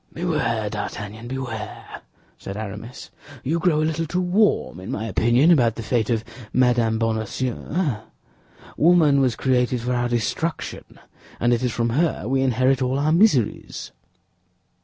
"Beware, D'Artagnan, beware," said Aramis. "You grow a little too warm, in my opinion, about the fate of Madame Bonacieux. Woman was created for our destruction, and it is from her we inherit all our miseries."